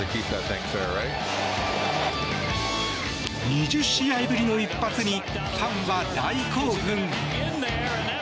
２０試合ぶりの一発にファンは大興奮！